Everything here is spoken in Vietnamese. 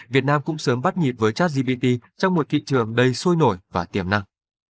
việt nam cũng sớm bắt nhịp với chartgpt trong một thị trường đầy sôi nổi và tiềm năng